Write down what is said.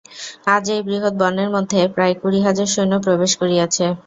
আজ এই বৃহৎ বনের মধ্যে প্রায় কুড়ি হাজার সৈন্য প্রবেশ করিয়াছে।